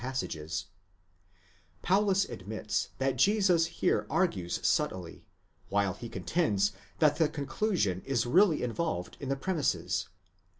Paulus admits that Jesus here argues subtilly, while he contends that the conclnsion is really involved in the premises.